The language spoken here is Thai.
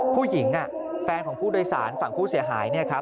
แฟนของผู้โดยสารฝั่งผู้เสียหาย